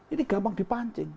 ini gampang dipancing